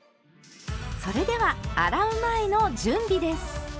それでは洗う前の準備です。